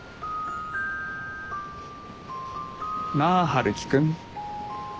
なあ春樹君。